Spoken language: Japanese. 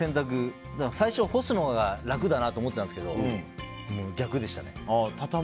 最初、干すのが楽だなと思ったんですけど逆でしたね。